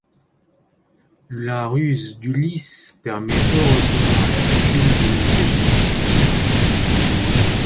La ruse d'Ulysse permet heureusement à Hercule d'éviter ce triste sort.